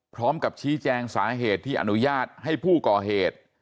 พร้อมกับชี้แจงสาเหตุที่อนุญาตให้ผู้ก่อเหตุ